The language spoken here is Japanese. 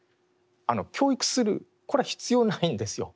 教育するこれは必要ないんですよ。